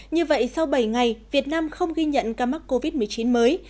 như vậy sau bảy ngày việt nam không ghi nhận ca mắc covid một mươi chín mới